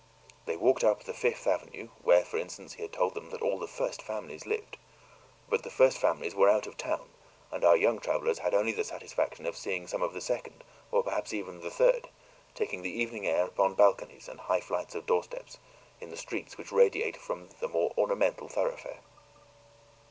They walked up the Fifth Avenue, where, for instance, he had told them that all the first families lived. But the first families were out of town, and our young travelers had only the satisfaction of seeing some of the second or perhaps even the third taking the evening air upon balconies and high flights of doorsteps, in the streets which radiate from the more ornamental thoroughfare.